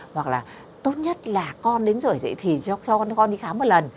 hoặc là tốt nhất là con đến rửa dậy thì cho con đi khám một lần